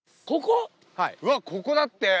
うわっここだって。